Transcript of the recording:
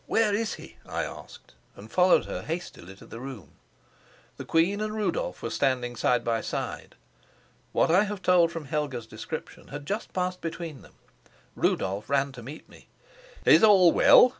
Where is he?" I asked, and followed her hastily to the room. The queen and Rudolf were standing side by side. What I have told from Helga's description had just passed between them. Rudolf ran to meet me. "Is all well?"